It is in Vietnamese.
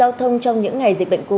đây là nhà hàng đây là hình ảnh đó